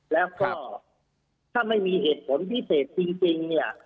แล้วก็ถ้าไม่มีเหตุผลพิเศษจริงเนี่ย